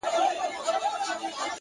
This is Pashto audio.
د تجربې رڼا لاره اسانه کوي!